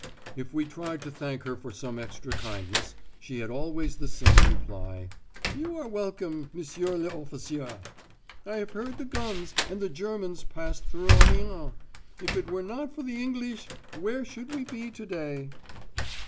If we tried to thank her for some extra kindness, she had always the same reply "You are welcome, M. l'Officier. I have heard the guns, and the Germans passed through Amiens; if it were not for the English, where should we be to day?"